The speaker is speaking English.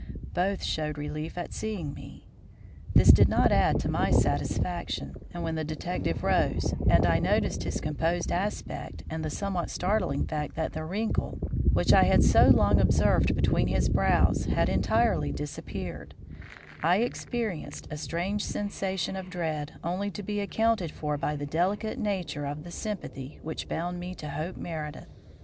Both showed relief at seeing me. This did not add to my satisfaction, and when the detective rose and I noticed his composed aspect and the somewhat startling fact that the wrinkle which I had so long observed between his brows had entirely disappeared, I experienced a strange sensation of dread only to be accounted for by the delicate nature of the sympathy which bound me to Hope Meredith.